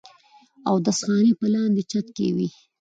اودس خانې پۀ لاندې چت کښې وې